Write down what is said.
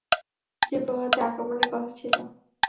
যে প্রভাতে আক্রমণের কথা ছিল।